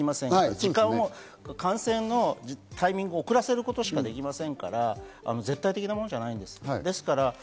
時間を、感染のタイミングを遅らせることしかできませんから、絶対的なものじゃないです。